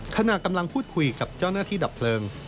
ขณะกำลังพูดคุยกับเจ้าหน้าที่ดับเพลิง